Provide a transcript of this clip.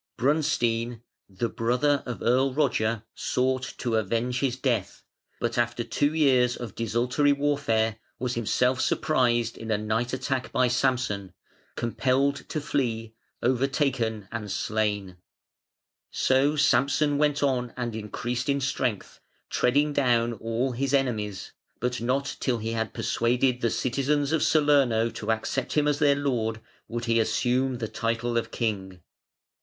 Brunstein, the brother of Earl Roger, sought to avenge his death, but after two years of desultory warfare was himself surprised in a night attack by Samson, compelled to flee, overtaken and slain. So Samson went on and increased in strength, treading down all his enemies; but not till he had persuaded the citizens of Salerno to accept him as their lord would he assume the title of king.